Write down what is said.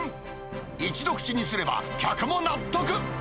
一度口にすれば、客も納得。